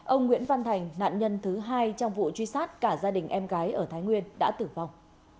ông nguyễn văn thành nạn nhân thứ hai trong vụ truy sát cả gia đình em gái ở thái nguyên đã tử vong